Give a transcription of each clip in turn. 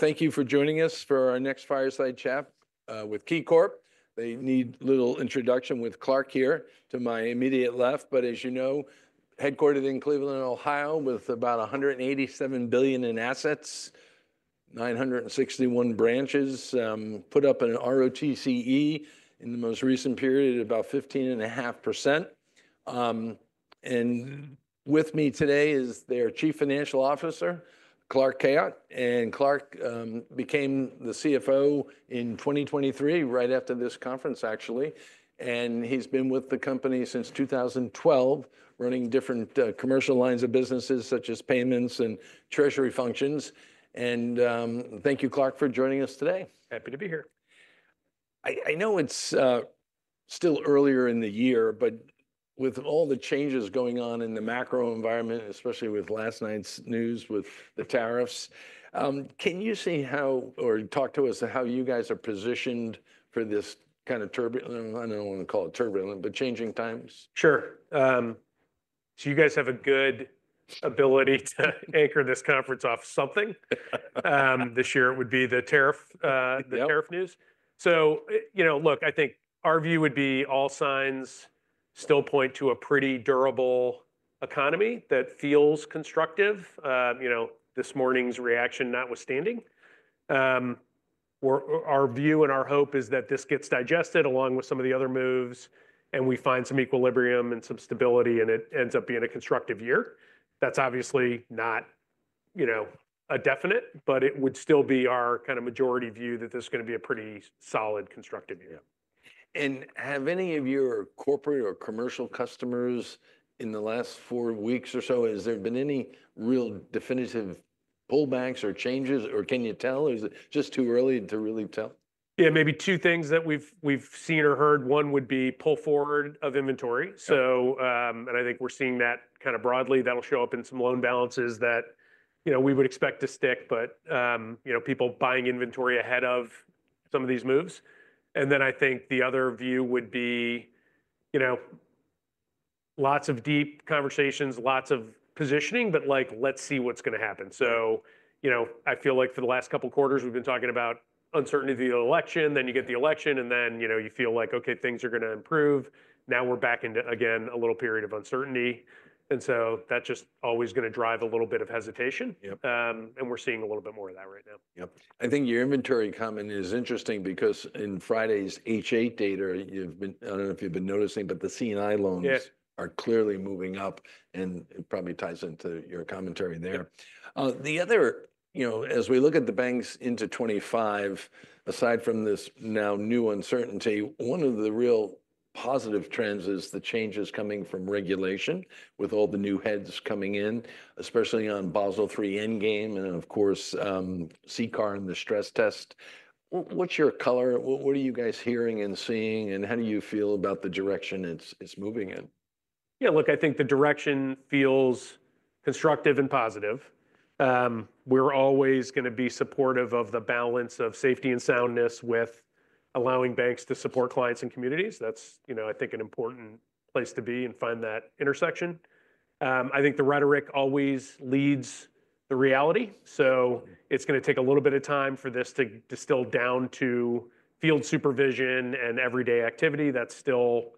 Thank you for joining us for our next fireside chat with KeyCorp. They need little introduction with Clark here to my immediate left, but as you know, headquartered in Cleveland, Ohio, with about $187 billion in assets, 961 branches, put up an ROTCE in the most recent period of about 15.5%, and with me today is their Chief Financial Officer, Clark Khayat, and Clark became the CFO in 2023, right after this conference, actually, and he's been with the company since 2012, running different commercial lines of businesses such as payments and treasury functions, and thank you, Clark, for joining us today. Happy to be here. I know it's still earlier in the year, but with all the changes going on in the macro environment, especially with last night's news with the tariffs, can you see how, or talk to us how you guys are positioned for this kind of turbulent, I don't want to call it turbulent, but changing times? Sure, so you guys have a good ability to anchor this conference off something. This year it would be the tariff news, so look, I think our view would be all signs still point to a pretty durable economy that feels constructive. This morning's reaction notwithstanding, our view and our hope is that this gets digested along with some of the other moves and we find some equilibrium and some stability and it ends up being a constructive year. That's obviously not a definite, but it would still be our kind of majority view that this is going to be a pretty solid constructive year. Have any of your corporate or commercial customers in the last four weeks or so, has there been any real definitive pullbacks or changes, or can you tell? Is it just too early to really tell? Yeah, maybe two things that we've seen or heard. One would be pull forward of inventory. And I think we're seeing that kind of broadly. That'll show up in some loan balances that we would expect to stick, but people buying inventory ahead of some of these moves. And then I think the other view would be lots of deep conversations, lots of positioning, but let's see what's going to happen. So I feel like for the last couple of quarters, we've been talking about uncertainty of the election, then you get the election, and then you feel like, okay, things are going to improve. Now we're back into again a little period of uncertainty. And so that's just always going to drive a little bit of hesitation. And we're seeing a little bit more of that right now. Yep. I think your inventory comment is interesting because in Friday's H.8 data, I don't know if you've been noticing, but the C&I loans are clearly moving up, and it probably ties into your commentary there. The other, as we look at the banks into 2025, aside from this now new uncertainty, one of the real positive trends is the changes coming from regulation with all the new heads coming in, especially on Basel III Endgame and of course CCAR and the stress test. What's your color? What are you guys hearing and seeing, and how do you feel about the direction it's moving in? Yeah, look, I think the direction feels constructive and positive. We're always going to be supportive of the balance of safety and soundness with allowing banks to support clients and communities. That's, I think, an important place to be and find that intersection. I think the rhetoric always leads the reality. So it's going to take a little bit of time for this to distill down to field supervision and everyday activity. That's still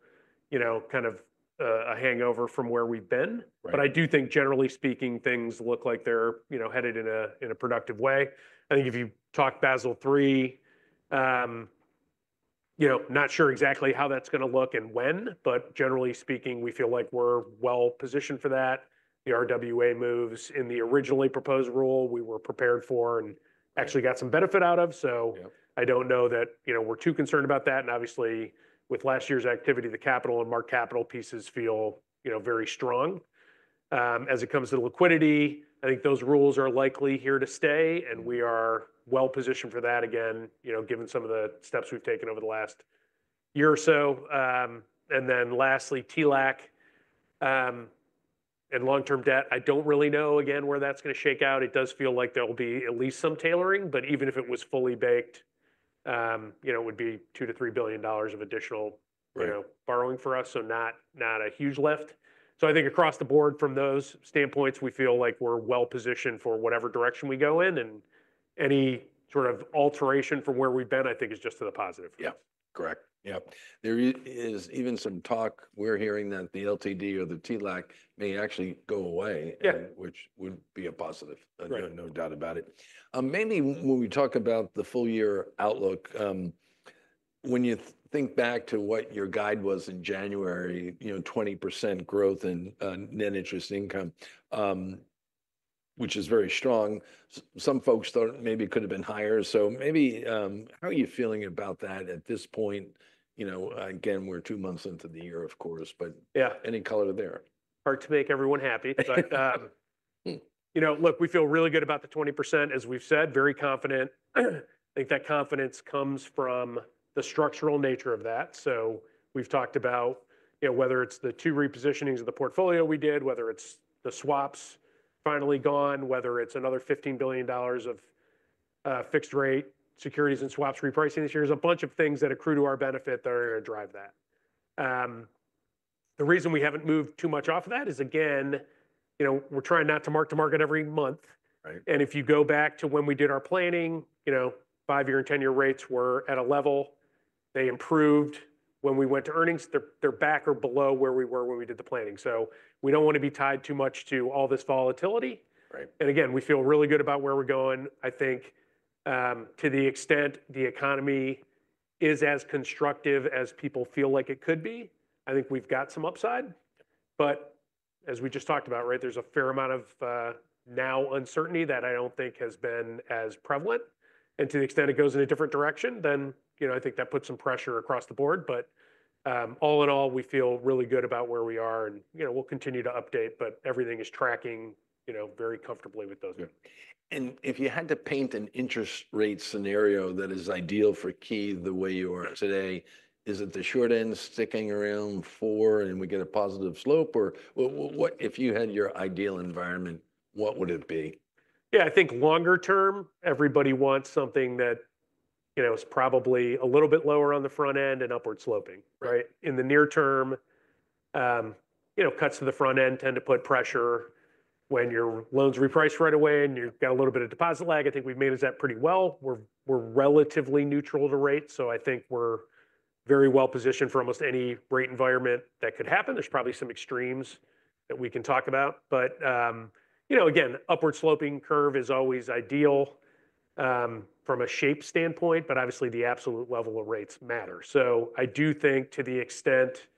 kind of a hangover from where we've been. But I do think generally speaking, things look like they're headed in a productive way. I think if you talk Basel III, not sure exactly how that's going to look and when, but generally speaking, we feel like we're well positioned for that. The RWA moves in the originally proposed rule, we were prepared for and actually got some benefit out of. So I don't know that we're too concerned about that. And obviously with last year's activity, the capital and marked capital pieces feel very strong. As it comes to liquidity, I think those rules are likely here to stay, and we are well positioned for that again, given some of the steps we've taken over the last year or so. And then lastly, TLAC and long-term debt, I don't really know again where that's going to shake out. It does feel like there'll be at least some tailoring, but even if it was fully baked, it would be $2-$3 billion of additional borrowing for us, so not a huge lift. So I think across the board from those standpoints, we feel like we're well positioned for whatever direction we go in. And any sort of alteration from where we've been, I think is just to the positive. Yeah, correct. Yeah. There is even some talk we're hearing that the LTD or the TLAC may actually go away, which would be a positive, no doubt about it. Maybe when we talk about the full year outlook, when you think back to what your guide was in January, 20% growth in net interest income, which is very strong. Some folks thought maybe it could have been higher. So maybe how are you feeling about that at this point? Again, we're two months into the year, of course, but any color there? Hard to make everyone happy. Look, we feel really good about the 20%, as we've said, very confident. I think that confidence comes from the structural nature of that. So we've talked about whether it's the two repositionings of the portfolio we did, whether it's the swaps finally gone, whether it's another $15 billion of fixed rate securities and swaps repricing this year. There's a bunch of things that accrue to our benefit that are going to drive that. The reason we haven't moved too much off of that is, again, we're trying not to mark to market every month, and if you go back to when we did our planning, five-year and 10-year rates were at a level. They improved when we went to earnings. They're back or below where we were when we did the planning. We don't want to be tied too much to all this volatility. And again, we feel really good about where we're going. I think to the extent the economy is as constructive as people feel like it could be, I think we've got some upside. But as we just talked about, there's a fair amount of now uncertainty that I don't think has been as prevalent. And to the extent it goes in a different direction, then I think that puts some pressure across the board. But all in all, we feel really good about where we are, and we'll continue to update, but everything is tracking very comfortably with those people. If you had to paint an interest rate scenario that is ideal for Key the way you are today, is it the short end sticking around four and we get a positive slope? Or if you had your ideal environment, what would it be? Yeah, I think longer term, everybody wants something that is probably a little bit lower on the front end and upward sloping. In the near term, cuts to the front end tend to put pressure when your loans reprice right away and you've got a little bit of deposit lag. I think we've managed that pretty well. We're relatively neutral to rate. So I think we're very well positioned for almost any rate environment that could happen. There's probably some extremes that we can talk about. But again, upward sloping curve is always ideal from a shape standpoint, but obviously the absolute level of rates matters. So I do think to the extent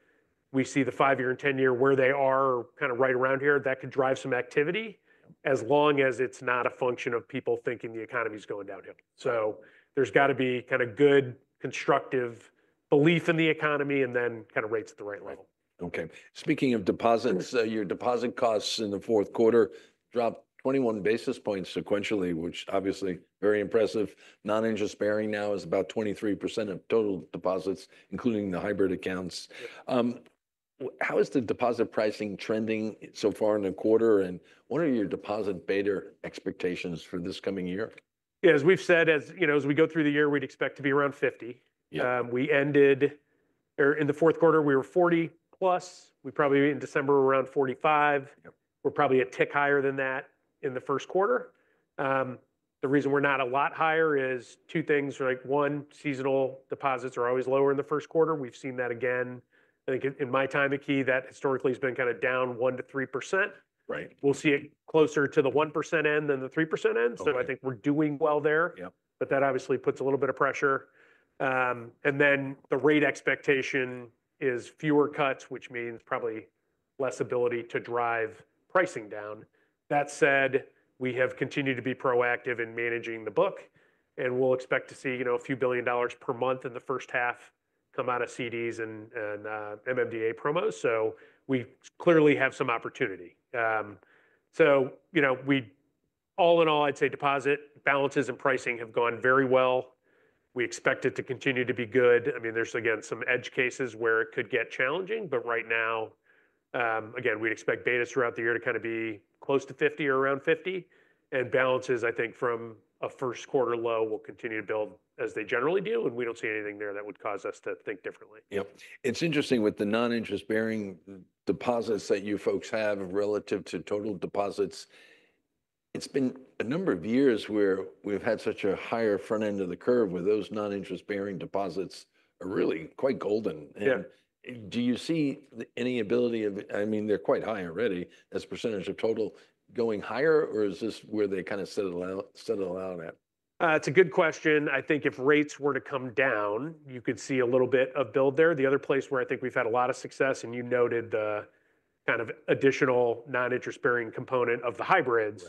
we see the five-year and 10-year where they are kind of right around here, that could drive some activity as long as it's not a function of people thinking the economy is going downhill. So there's got to be kind of good constructive belief in the economy and then kind of rates at the right level. Okay. Speaking of deposits, your deposit costs in the fourth quarter dropped 21 basis points sequentially, which obviously is very impressive. Non-interest bearing now is about 23% of total deposits, including the hybrid accounts. How is the deposit pricing trending so far in the quarter, and what are your deposit beta expectations for this coming year? Yeah, as we've said, as we go through the year, we'd expect to be around 50. We ended in the fourth quarter, we were 40+. We probably in December around 45. We're probably a tick higher than that in the first quarter. The reason we're not a lot higher is two things. One, seasonal deposits are always lower in the first quarter. We've seen that again. I think in my time at Key, that historically has been kind of down 1%-3%. We'll see it closer to the 1% end than the 3% end. So I think we're doing well there. But that obviously puts a little bit of pressure. And then the rate expectation is fewer cuts, which means probably less ability to drive pricing down. That said, we have continued to be proactive in managing the book. We'll expect to see a few billion dollars per month in the first half come out of CDs and MMDA promos. So we clearly have some opportunity. So all in all, I'd say deposit balances and pricing have gone very well. We expect it to continue to be good. I mean, there's again some edge cases where it could get challenging, but right now, again, we'd expect betas throughout the year to kind of be close to 50 or around 50. And balances, I think from a first quarter low, will continue to build as they generally do. And we don't see anything there that would cause us to think differently. Yep. It's interesting with the non-interest bearing deposits that you folks have relative to total deposits. It's been a number of years where we've had such a higher front end of the curve where those non-interest bearing deposits are really quite golden, and do you see any ability of, I mean, they're quite high already as a percentage of total going higher, or is this where they kind of settle out at? That's a good question. I think if rates were to come down, you could see a little bit of build there. The other place where I think we've had a lot of success, and you noted the kind of additional non-interest bearing component of the hybrids,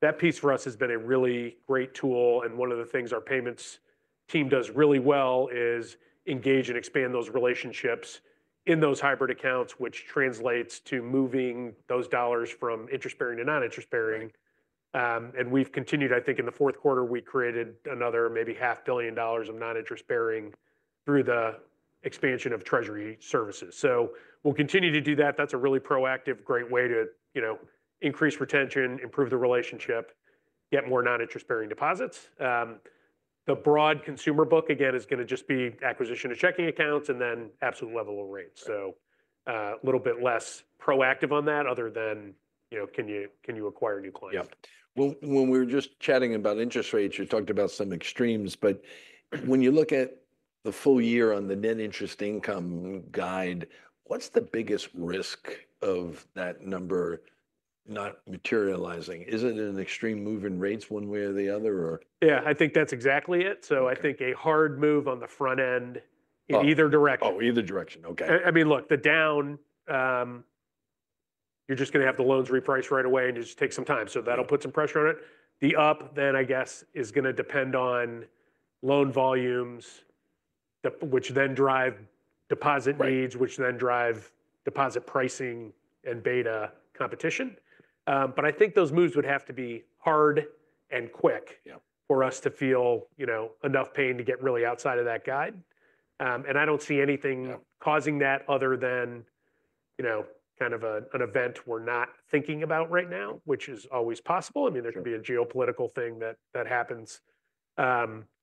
that piece for us has been a really great tool. And one of the things our payments team does really well is engage and expand those relationships in those hybrid accounts, which translates to moving those dollars from interest bearing to non-interest bearing. And we've continued. I think in the fourth quarter, we created another maybe $500 million of non-interest bearing through the expansion of treasury services. So we'll continue to do that. That's a really proactive, great way to increase retention, improve the relationship, get more non-interest bearing deposits. The broad consumer book, again, is going to just be acquisition of checking accounts and then absolute level of rates. So a little bit less proactive on that other than can you acquire new clients. Yep. Well, when we were just chatting about interest rates, you talked about some extremes, but when you look at the full year on the net interest income guide, what's the biggest risk of that number not materializing? Is it an extreme move in rates one way or the other? Yeah, I think that's exactly it. So I think a hard move on the front end in either direction. Oh, either direction. Okay. I mean, look, the down. You're just going to have the loans repriced right away and just take some time. So that'll put some pressure on it. The up then, I guess, is going to depend on loan volumes, which then drive deposit needs, which then drive deposit pricing and beta competition. But I think those moves would have to be hard and quick for us to feel enough pain to get really outside of that guide. And I don't see anything causing that other than kind of an event we're not thinking about right now, which is always possible. I mean, there can be a geopolitical thing that happens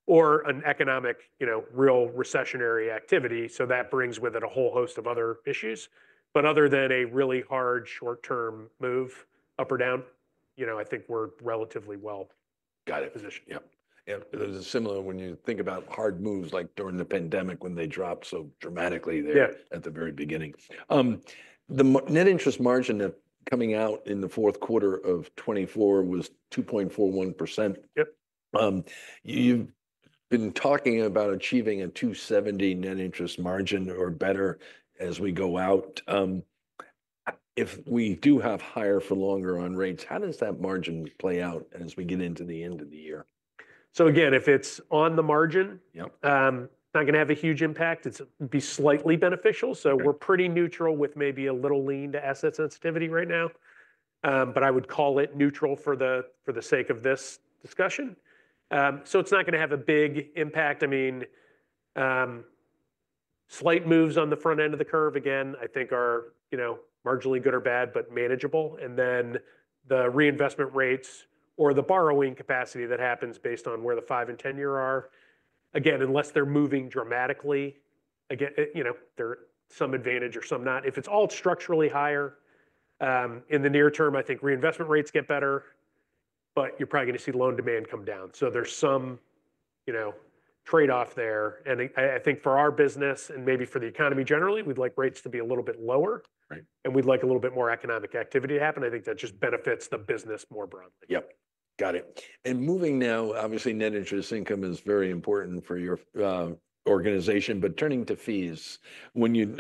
or an economic real recessionary activity. So that brings with it a whole host of other issues. But other than a really hard short-term move up or down, I think we're relatively well positioned. Got it. Yep. Yep. It was similar when you think about hard moves like during the pandemic when they dropped so dramatically at the very beginning. The net interest margin coming out in the fourth quarter of 2024 was 2.41%. You've been talking about achieving a 270 net interest margin or better as we go out. If we do have higher for longer on rates, how does that margin play out as we get into the end of the year? So again, if it's on the margin, it's not going to have a huge impact. It's going to be slightly beneficial. So we're pretty neutral with maybe a little lean to asset sensitivity right now. But I would call it neutral for the sake of this discussion. So it's not going to have a big impact. I mean, slight moves on the front end of the curve, again, I think are marginally good or bad, but manageable. And then the reinvestment rates or the borrowing capacity that happens based on where the five and 10-year are. Again, unless they're moving dramatically, again, there's some advantage or some not. If it's all structurally higher in the near term, I think reinvestment rates get better, but you're probably going to see loan demand come down. So there's some trade-off there. I think for our business and maybe for the economy generally, we'd like rates to be a little bit lower. We'd like a little bit more economic activity to happen. I think that just benefits the business more broadly. Yep. Got it. And moving now, obviously net interest income is very important for your organization, but turning to fees. When you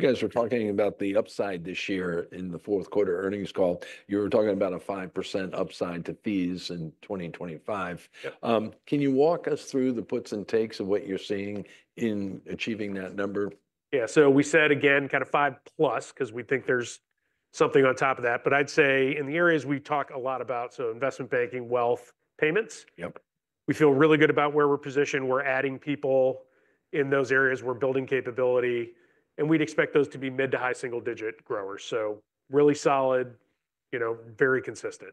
guys were talking about the upside this year in the Fourth Quarter Earnings Call, you were talking about a 5% upside to fees in 2025. Can you walk us through the puts and takes of what you're seeing in achieving that number? Yeah. So we said again, kind of 5+ because we think there's something on top of that. But I'd say in the areas we talk a lot about, so investment banking, wealth, payments, we feel really good about where we're positioned. We're adding people in those areas. We're building capability. And we'd expect those to be mid- to high-single-digit growers. So really solid, very consistent.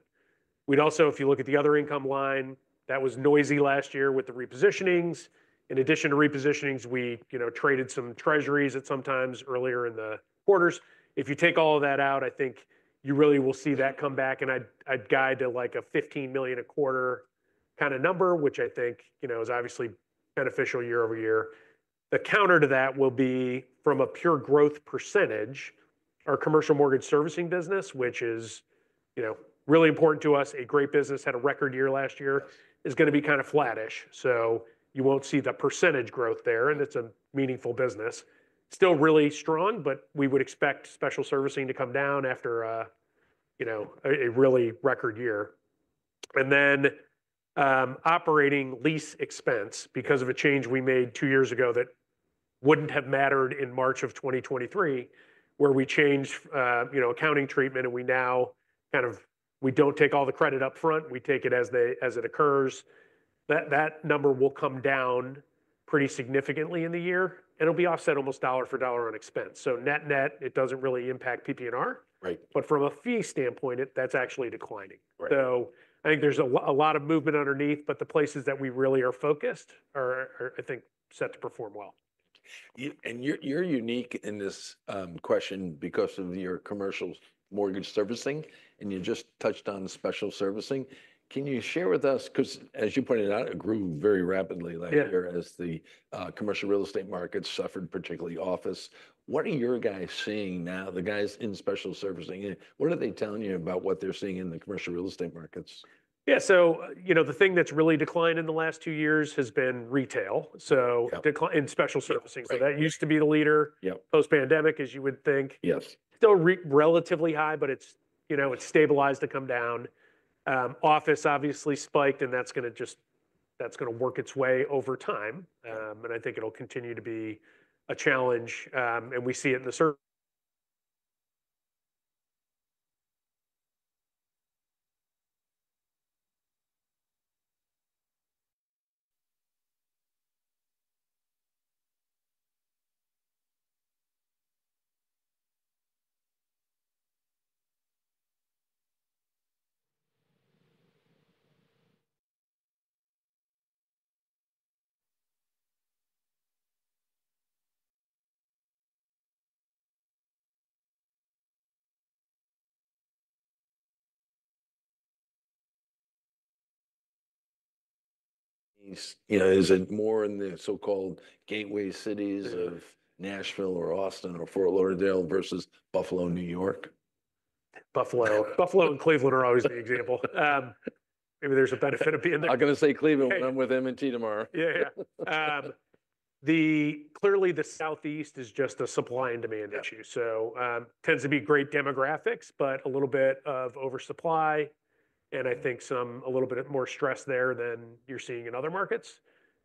We'd also, if you look at the other income line, that was noisy last year with the repositionings. In addition to repositionings, we traded some Treasuries at some times earlier in the quarters. If you take all of that out, I think you really will see that come back. And I'd guide to like a $15 million a quarter kind of number, which I think is obviously beneficial year over year. The counter to that will be from a pure growth percentage, our commercial mortgage servicing business, which is really important to us, a great business, had a record year last year, is going to be kind of flattish. So you won't see the percentage growth there. And it's a meaningful business. Still really strong, but we would expect special servicing to come down after a really record year. And then operating lease expense because of a change we made two years ago that wouldn't have mattered in March of 2023, where we changed accounting treatment and we now kind of, we don't take all the credit upfront. We take it as it occurs. That number will come down pretty significantly in the year. And it'll be offset almost dollar for dollar on expense. So net net, it doesn't really impact PPNR. But from a fee standpoint, that's actually declining. So I think there's a lot of movement underneath, but the places that we really are focused are, I think, set to perform well. You're unique in this question because of your commercial mortgage servicing. You just touched on special servicing. Can you share with us, because as you pointed out, it grew very rapidly last year as the commercial real estate markets suffered, particularly office? What are your guys seeing now, the guys in special servicing? What are they telling you about what they're seeing in the commercial real estate markets? Yeah. So the thing that's really declined in the last two years has been retail in special servicing. So that used to be the leader post-pandemic, as you would think. Still relatively high, but it's stabilized to come down. Office obviously spiked, and that's going to work its way over time. I think it'll continue to be a challenge. We see it in the survey. Is it more in the so-called gateway cities of Nashville or Austin or Fort Lauderdale versus Buffalo, New York? Buffalo and Cleveland are always the example. Maybe there's a benefit of being there. I'm going to say Cleveland when I'm with M&T tomorrow. Yeah, yeah. Clearly, the Southeast is just a supply and demand issue. So tends to be great demographics, but a little bit of oversupply. And I think some a little bit more stress there than you're seeing in other markets.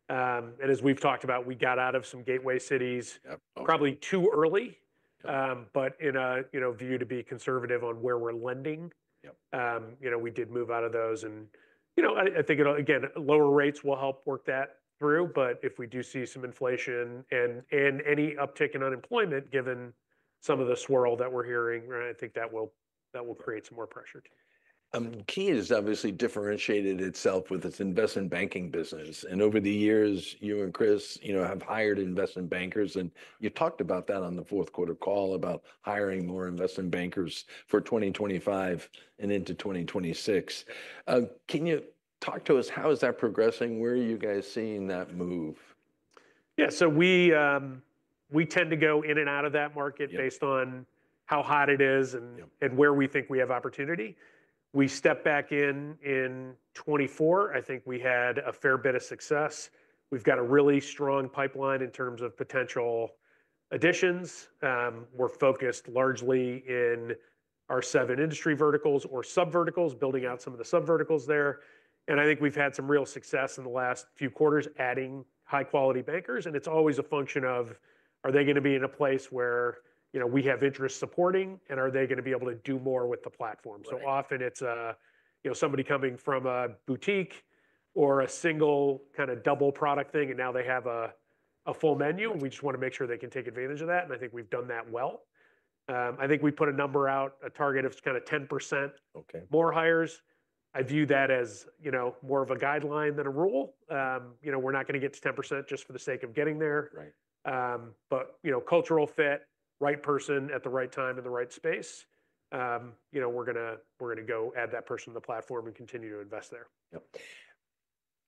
And as we've talked about, we got out of some gateway cities probably too early. But in a view to be conservative on where we're lending, we did move out of those. And I think, again, lower rates will help work that through. But if we do see some inflation and any uptick in unemployment, given some of the swirl that we're hearing, I think that will create some more pressure. Key has obviously differentiated itself with its investment banking business. And over the years, you and Chris have hired investment bankers. And you talked about that on the fourth quarter call about hiring more investment bankers for 2025 and into 2026. Can you talk to us, how is that progressing? Where are you guys seeing that move? Yeah. So we tend to go in and out of that market based on how hot it is and where we think we have opportunity. We step back in in 2024. I think we had a fair bit of success. We've got a really strong pipeline in terms of potential additions. We're focused largely in our seven industry verticals or sub-verticals, building out some of the sub-verticals there. And I think we've had some real success in the last few quarters adding high-quality bankers. And it's always a function of, are they going to be in a place where we have interest supporting, and are they going to be able to do more with the platform? So often it's somebody coming from a boutique or a single kind of double product thing, and now they have a full menu. And we just want to make sure they can take advantage of that. And I think we've done that well. I think we put a number out, a target of kind of 10% more hires. I view that as more of a guideline than a rule. We're not going to get to 10% just for the sake of getting there. But cultural fit, right person at the right time in the right space. We're going to go add that person to the platform and continue to invest there. Yep.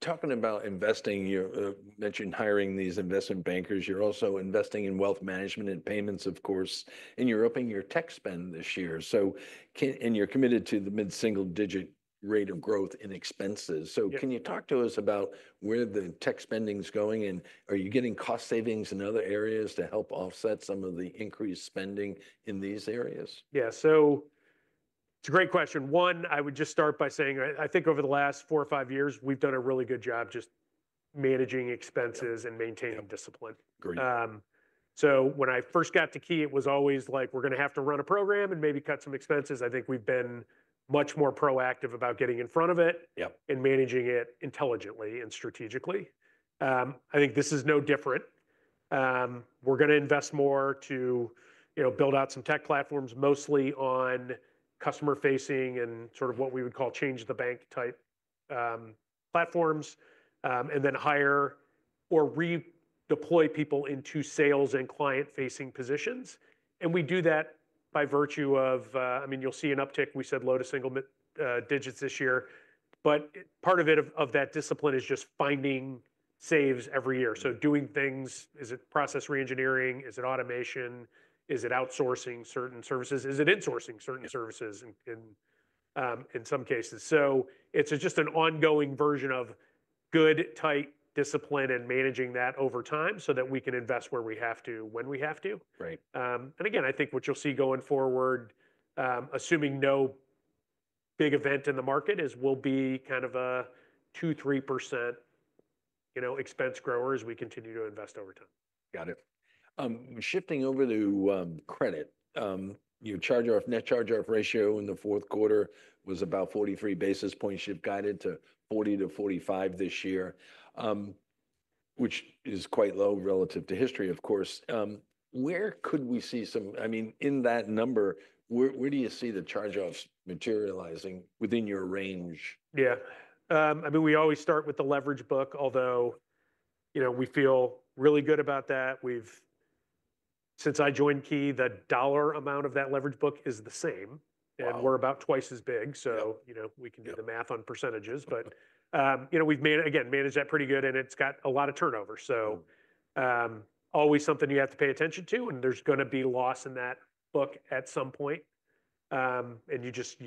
Talking about investing, you mentioned hiring these investment bankers. You're also investing in wealth management and payments, of course, and you're upping your tech spend this year, so you're committed to the mid-single-digit rate of growth in expenses, so can you talk to us about where the tech spending's going? And are you getting cost savings in other areas to help offset some of the increased spending in these areas? Yeah. So it's a great question. One, I would just start by saying I think over the last four or five years, we've done a really good job just managing expenses and maintaining discipline. So when I first got to Key, it was always like, we're going to have to run a program and maybe cut some expenses. I think we've been much more proactive about getting in front of it and managing it intelligently and strategically. I think this is no different. We're going to invest more to build out some tech platforms, mostly on customer-facing and sort of what we would call change-the-bank type platforms, and then hire or redeploy people into sales and client-facing positions. And we do that by virtue of, I mean, you'll see an uptick. We said low to single digits this year. But part of that discipline is just finding savings every year. So doing things, is it process reengineering? Is it automation? Is it outsourcing certain services? Is it insourcing certain services in some cases? So it's just an ongoing version of good tight discipline and managing that over time so that we can invest where we have to when we have to. And again, I think what you'll see going forward, assuming no big event in the market, is we'll be kind of a 2%-3% expense grower as we continue to invest over time. Got it. Shifting over to credit, your charge-off, net charge-off ratio in the fourth quarter was about 43 basis points. You've guided to 40-45 this year, which is quite low relative to history, of course. Where could we see some, I mean, in that number, where do you see the charge-offs materializing within your range? Yeah. I mean, we always start with the leverage book, although we feel really good about that. Since I joined Key, the dollar amount of that leverage book is the same. And we're about twice as big. So we can do the math on percentages. But we've again managed that pretty good. And it's got a lot of turnover. So always something you have to pay attention to. And there's going to be loss in that book at some point. And you just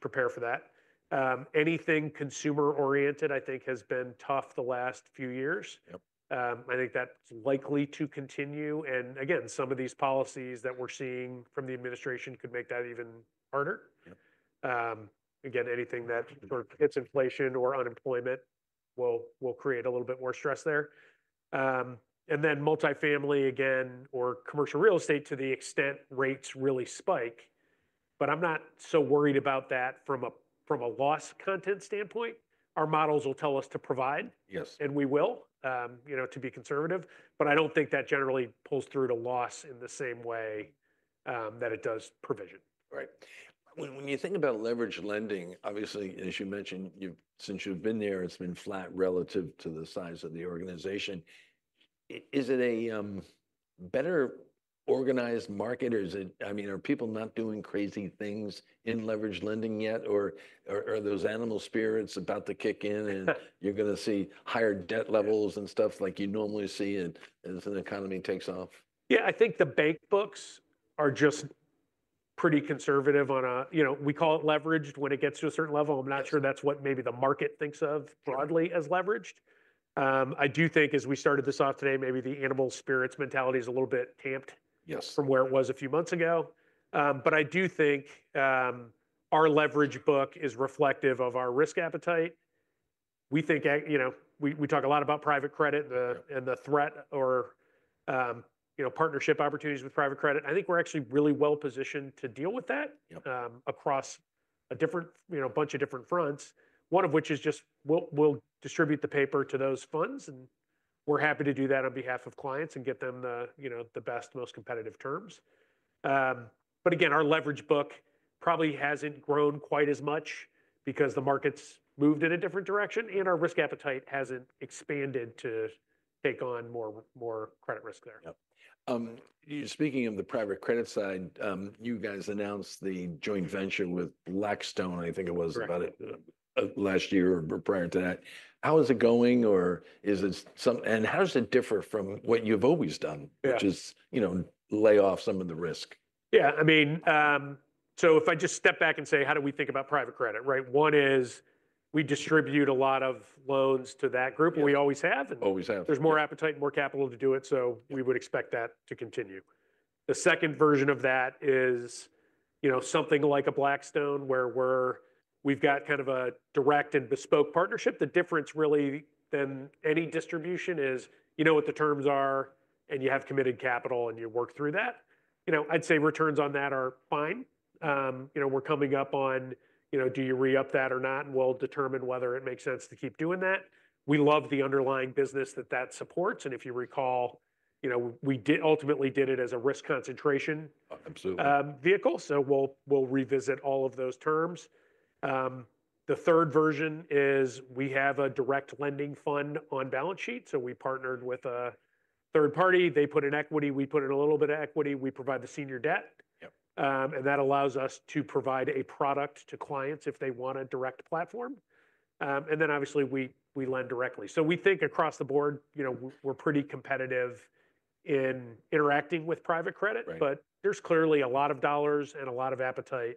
prepare for that. Anything consumer-oriented, I think, has been tough the last few years. I think that's likely to continue. And again, some of these policies that we're seeing from the administration could make that even harder. Again, anything that sort of hits inflation or unemployment will create a little bit more stress there. And then multifamily, again, or commercial real estate to the extent rates really spike. But I'm not so worried about that from a loss content standpoint. Our models will tell us to provision. And we will to be conservative. But I don't think that generally pulls through to loss in the same way that it does provision. Right. When you think about leveraged lending, obviously, as you mentioned, since you've been there, it's been flat relative to the size of the organization. Is it a better organized market? I mean, are people not doing crazy things in leveraged lending yet? Or are those animal spirits about to kick in and you're going to see higher debt levels and stuff like you normally see as an economy takes off? Yeah. I think the bank books are just pretty conservative. We call it leveraged when it gets to a certain level. I'm not sure that's what maybe the market thinks of broadly as leveraged. I do think as we started this off today, maybe the animal spirits mentality is a little bit tamped from where it was a few months ago. But I do think our leverage book is reflective of our risk appetite. We talk a lot about private credit and the threat or partnership opportunities with private credit. I think we're actually really well positioned to deal with that across a bunch of different fronts, one of which is just we'll distribute the paper to those funds. And we're happy to do that on behalf of clients and get them the best, most competitive terms. But again, our leverage book probably hasn't grown quite as much because the market's moved in a different direction. And our risk appetite hasn't expanded to take on more credit risk there. Speaking of the private credit side, you guys announced the joint venture with Blackstone, I think it was, about last year or prior to that. How is it going? Or is it something, and how does it differ from what you've always done, which is lay off some of the risk? Yeah. I mean, so if I just step back and say, how do we think about private credit? Right. One is we distribute a lot of loans to that group. We always have. There's more appetite, more capital to do it. So we would expect that to continue. The second version of that is something like a Blackstone where we've got kind of a direct and bespoke partnership. The difference really than any distribution is you know what the terms are and you have committed capital and you work through that. I'd say returns on that are fine. We're coming up on, do you re-up that or not? And we'll determine whether it makes sense to keep doing that. We love the underlying business that that supports. And if you recall, we ultimately did it as a risk concentration vehicle. So we'll revisit all of those terms. The third version is we have a direct lending fund on balance sheet. So we partnered with a third party. They put in equity. We put in a little bit of equity. We provide the senior debt. And that allows us to provide a product to clients if they want a direct platform. And then obviously we lend directly. So we think across the board, we're pretty competitive in interacting with private credit. But there's clearly a lot of dollars and a lot of appetite.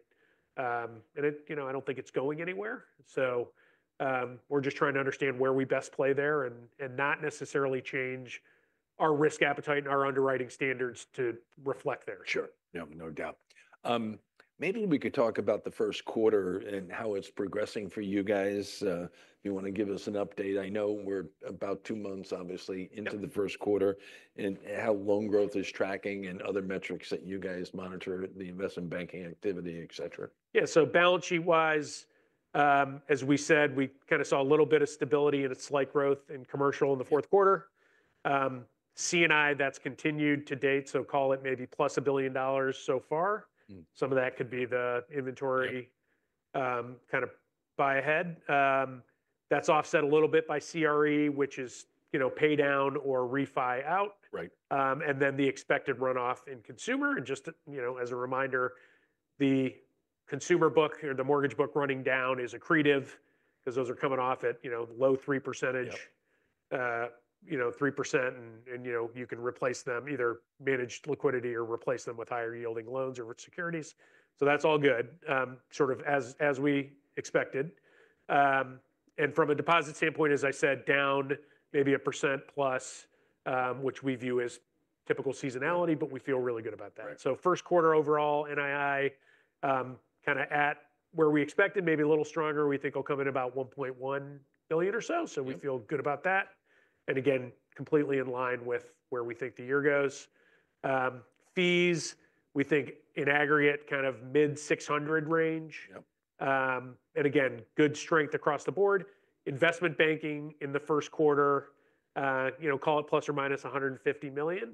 And I don't think it's going anywhere. So we're just trying to understand where we best play there and not necessarily change our risk appetite and our underwriting standards to reflect there. Sure. Yeah, no doubt. Maybe we could talk about the first quarter and how it's progressing for you guys. If you want to give us an update. I know we're about two months, obviously, into the first quarter and how loan growth is tracking and other metrics that you guys monitor, the investment banking activity, etc. Yeah. So balance sheet-wise, as we said, we kind of saw a little bit of stability and a slight growth in commercial in the fourth quarter. C&I, that's continued to date, so call it maybe +$1 billion so far. Some of that could be the inventory kind of buy ahead, that's offset a little bit by CRE, which is pay down or refi out, and then the expected runoff in consumer, and just as a reminder, the consumer book or the mortgage book running down is accretive because those are coming off at low 3%, 3%, and you can replace them either managed liquidity or replace them with higher yielding loans or securities, so that's all good, sort of as we expected, and from a deposit standpoint, as I said, down maybe 1%+, which we view as typical seasonality, but we feel really good about that. So first quarter overall, NII kind of at where we expected, maybe a little stronger. We think it'll come in about $1.1 billion or so. So we feel good about that. And again, completely in line with where we think the year goes. Fees, we think in aggregate kind of mid-600 range. And again, good strength across the board. Investment banking in the first quarter, call it ±$150 million.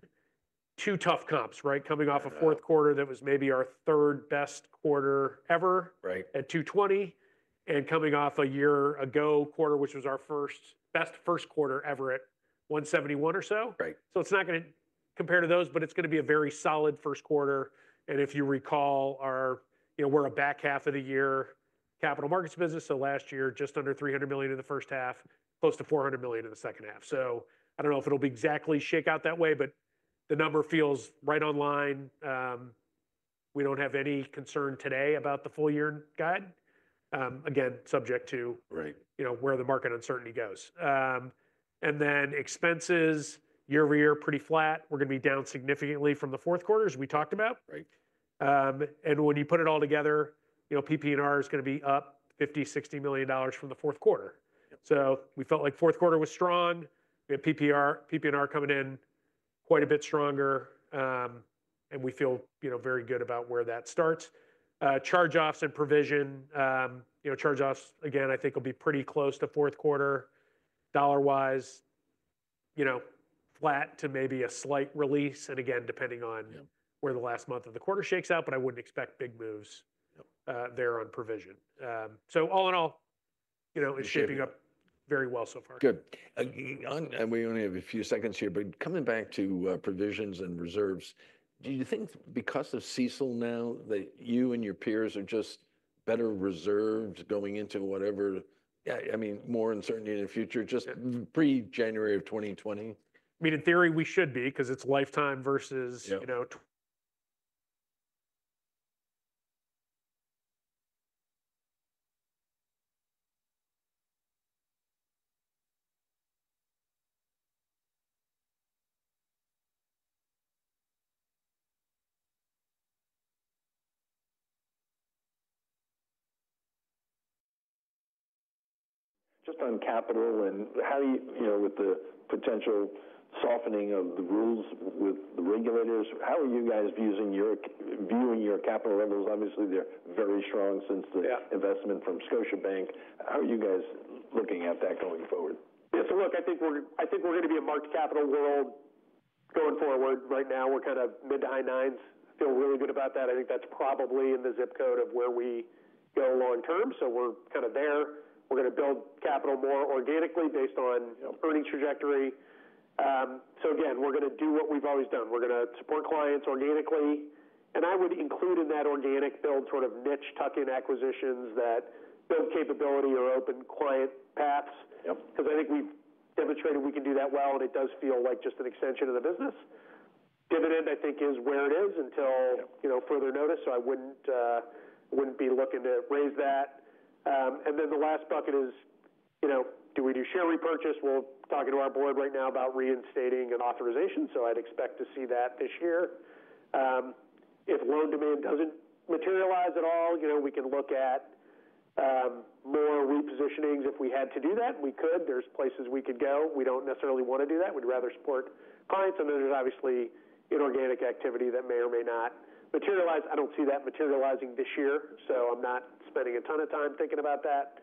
Two tough comps, right? Coming off a fourth quarter that was maybe our third best quarter ever at $220 million and coming off a year ago quarter, which was our first best first quarter ever at $171 million or so. So it's not going to compare to those, but it's going to be a very solid first quarter. And if you recall, we're a back half of the year capital markets business. So last year, just under $300 million in the first half, close to $400 million in the second half. So I don't know if it'll be exactly shake out that way, but the number feels right on line. We don't have any concern today about the full year guide. Again, subject to where the market uncertainty goes. And then expenses, year over year, pretty flat. We're going to be down significantly from the fourth quarter, as we talked about. And when you put it all together, PP&R is going to be up $50-$60 million from the fourth quarter. So we felt like fourth quarter was strong. We had PP&R coming in quite a bit stronger. And we feel very good about where that starts. Charge-offs and provision. Charge-offs, again, I think will be pretty close to fourth quarter. Dollar-wise, flat to maybe a slight release. Again, depending on where the last month of the quarter shakes out, but I wouldn't expect big moves there on provision. All in all, it's shaping up very well so far. Good. And we only have a few seconds here. But coming back to provisions and reserves, do you think because of CECL now that you and your peers are just better reserved going into whatever, I mean, more uncertainty in the future, just pre-January of 2020? I mean, in theory, we should be because it's lifetime versus. Just on capital and with the potential softening of the rules with the regulators, how are you guys viewing your capital levels? Obviously, they're very strong since the investment from Scotiabank. How are you guys looking at that going forward? Yeah. So look, I think we're going to be a marked capital world going forward. Right now, we're kind of mid- to high nines. Feel really good about that. I think that's probably in the zip code of where we go long term. So we're kind of there. We're going to build capital more organically based on earnings trajectory. So again, we're going to do what we've always done. We're going to support clients organically. And I would include in that organic build sort of niche tuck-in acquisitions that build capability or open client paths because I think we've demonstrated we can do that well. And it does feel like just an extension of the business. Dividend, I think, is where it is until further notice. So I wouldn't be looking to raise that. And then the last bucket is, do we do share repurchase? We're talking to our board right now about reinstating an authorization. So I'd expect to see that this year. If loan demand doesn't materialize at all, we can look at more repositionings. If we had to do that, we could. There's places we could go. We don't necessarily want to do that. We'd rather support clients. And then there's obviously inorganic activity that may or may not materialize. I don't see that materializing this year. So I'm not spending a ton of time thinking about that.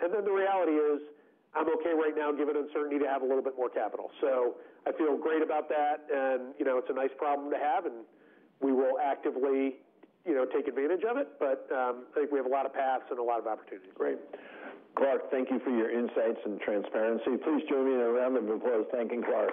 And then the reality is I'm okay right now given uncertainty to have a little bit more capital. So I feel great about that. And it's a nice problem to have. And we will actively take advantage of it. But I think we have a lot of paths and a lot of opportunities. Great. Clark, thank you for your insights and transparency. Please join me in a round of applause thanking Clark.